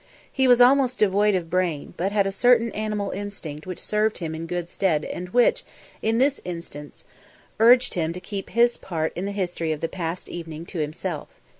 He was almost devoid of brain, but had a certain animal instinct which served him in good stead and which, in this instance, urged him to keep his part in the history of the past evening to himself.